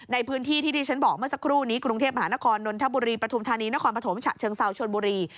ในพื้นที่ที่ที่ฉันบอกเมื่อสักครู่นี้กรุงเทพมหานครนนทบุรีปฐุมธานีนครปฐมฉะเชิงเซาชนบุรี